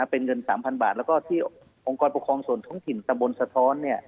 เป็นเงิน๓๐๐บาทแล้วก็ที่องค์กรปกครองส่วนท้องถิ่นตะบนสะท้อน